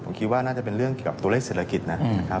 ผมคิดว่าน่าจะเป็นเรื่องเกี่ยวกับตัวเลขเศรษฐกิจนะครับ